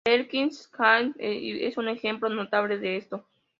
Berkshire Hathaway es un ejemplo notable de esto.